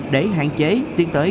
để hạn chế tiến tới